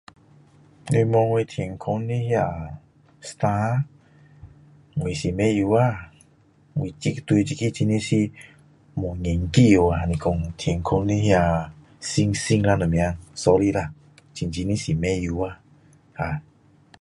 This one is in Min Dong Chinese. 你问我天空的我是不知道呀我对这个真的是没有研究你说天空的星星呀什么的 sorry 啦真真的是不知道呀